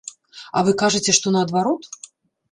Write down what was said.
А вы кажаце, што наадварот?